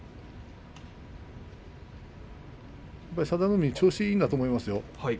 佐田の海、調子がいいんだと思いますよ。